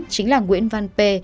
chính là nguyễn văn p